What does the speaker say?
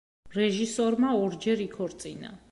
რეჟისორმა ორჯერ იქორწინა.